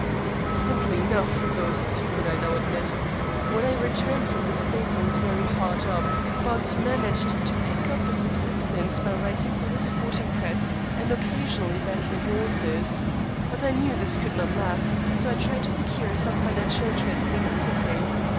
"Simply enough, though stupid, I now admit. When I returned from the States I was very hard up, but managed to pick up a subsistence by writing for the sporting press, and occasionally backing horses. But I knew this could not last, so I tried to secure some financial interests in the City.